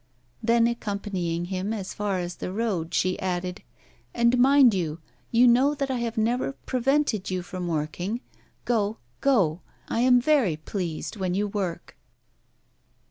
Then accompanying him as far as the road, she added: 'And mind you work; you know that I have never prevented you from working. Go, go; I am very pleased when you work.